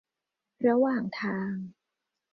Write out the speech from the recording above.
ระหว่างทาง